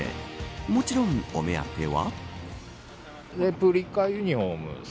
もちろん、お目当ては。